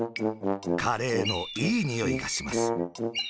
カレーのいいにおいがします。